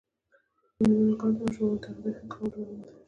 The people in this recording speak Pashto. د میرمنو کار د ماشومانو تغذیه ښه کولو لامل دی.